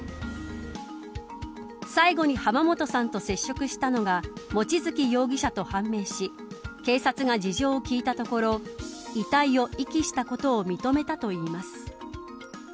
最後に浜本さんと接触したのが望月容疑者と判明し警察が事情を聴いたところ遺体を遺棄したことを認めたといいます。